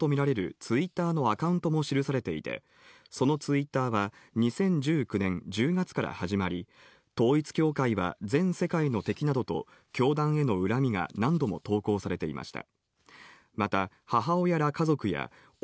この手紙には山上容疑者のものとみられるＴｗｉｔｔｅｒのアカウントも記されていて、そのＴｗｉｔｔｅｒは２０１９年１０月から始まり、統一教会は全世界の敵などと教団への恨みが何度も投稿されていました。